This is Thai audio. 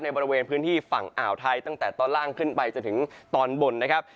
บริเวณพื้นที่ฝั่งอ่าวไทยตั้งแต่ตอนล่างขึ้นไปจนถึงตอนบนนะครับ